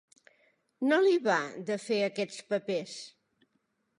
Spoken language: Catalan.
No li va, de fer aquests papers.